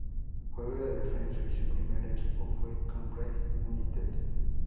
Juega de defensa y su primer equipo fue Cambridge United.